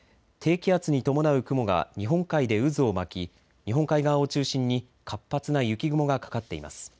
低気圧に伴う雲が日本海で渦を巻き日本海側を中心に活発な雪雲がかかっています。